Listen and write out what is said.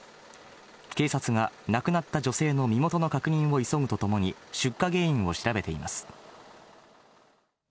警察が亡くなった女性の身元の確認を急ぐとともに、出火原因を調べています。